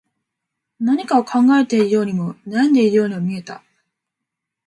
何かを考えているようにも、悩んでいるようにも見えた